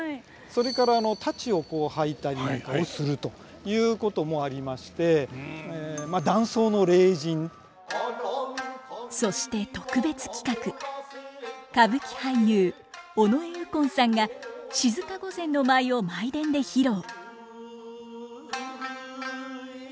それから太刀をはいたりもするということもありましてそして特別企画歌舞伎俳優尾上右近さんが静御前の舞を舞殿で披露。